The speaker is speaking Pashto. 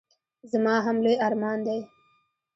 زما هم لوی ارمان دی.